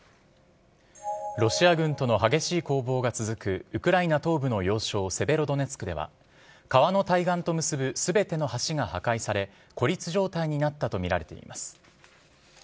ロシア軍との激しい攻防が続くウクライナ東部の要衝、セベロドネツクでは、川の対岸と結ぶすべての橋が破壊され、孤立状態になったと見られています。